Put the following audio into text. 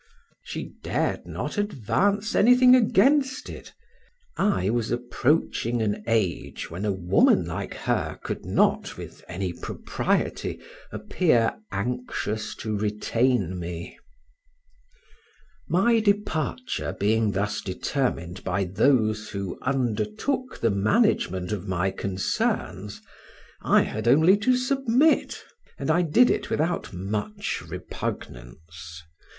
She dared not advance anything against it; I was approaching an age when a woman like her could not, with any propriety, appear anxious to retain me. My departure being thus determined by those who undertook the management of my concerns, I had only to submit; and I did it without much repugnance.